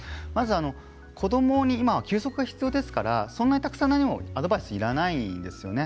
子どもに休息が必要ですからそんなにたくさんのアドバイスはいらないんですね。